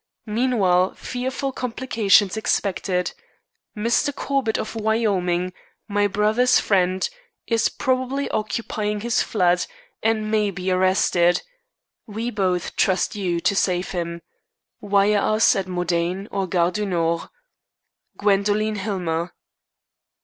Meanwhile fearful complications expected. Mr. Corbett, of Wyoming, my brother's friend, is probably occupying his flat, and may be arrested. We both trust you to save him. Wire us at Modane or Gare du Nord. "GWENDOLINE HILLMER."